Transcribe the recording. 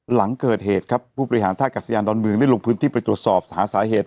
หลังเกิดเหตุครับผู้บริหารท่ากัศยานดอนเมืองได้ลงพื้นที่ไปตรวจสอบหาสาเหตุ